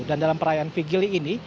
dan dalam perayaan vigili ini